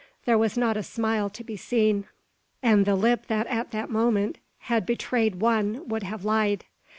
There was not a smile to be seen, and the lip that at that moment had betrayed one would have lied.